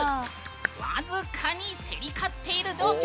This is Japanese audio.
僅かに競り勝ってる状況。